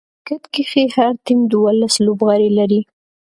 په کرکټ کښي هر ټيم دوولس لوبغاړي لري.